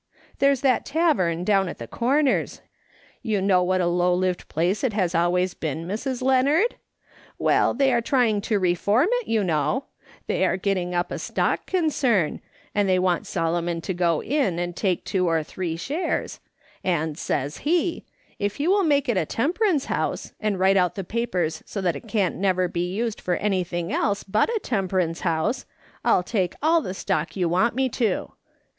There's that tavern down at the Corners, you know what a low lived place it has always been, Mrs. Leo nard ? Well, they are trying to reform it, you know; they are getting up a stock concern, and they want Solomon to go in and take two or three shares, and says he, * If you will make it a temperance house, and write out the papers so it can't never be used for anything else but a temperance house, I'll take all the stock you want me to.'